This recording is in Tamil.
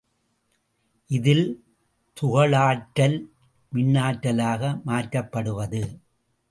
இதில் துகளாற்றல் மின்னாற்றலாக மாற்றப்படுவது.